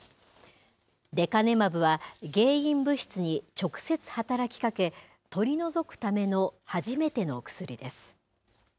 レカネマブは原因物質に直接働きかけ、取り除くための初めての薬です。